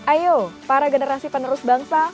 ayo para generasi penerus bangsa